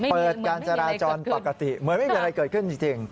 เปิดการจราจรปกติเหมือนไม่มีอะไรเกิดขึ้นจริง